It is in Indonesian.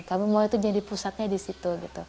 kami mau itu jadi pusatnya disitu